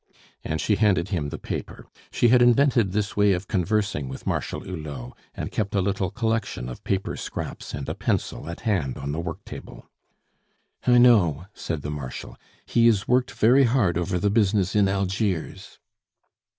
And she handed him the paper. She had invented this way of conversing with Marshal Hulot, and kept a little collection of paper scraps and a pencil at hand on the work table. "I know," said the Marshal, "he is worked very hard over the business in Algiers."